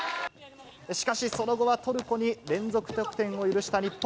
しかし、その後はトルコに連続得点を許した日本。